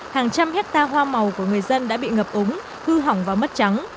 hàng trăm hecta hoa màu của người dân đã bị ngập úng hư hỏng và mất trắng